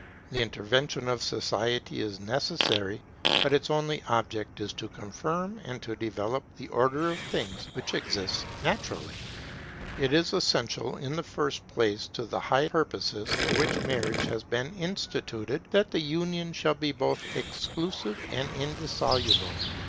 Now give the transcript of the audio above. The intervention of society is necessary; but its only object is to confirm and to develop the order of things which exists naturally. It is essential in the first place to the high purposes for which marriage has been instituted, that the union shall be both exclusive and indissoluble.